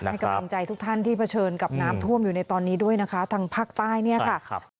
ให้กำลังใจทุกท่านที่เผชิญกับน้ำท่วมอยู่ในตอนนี้ด้วยนะคะทางภาคใต้เนี่ยค่ะ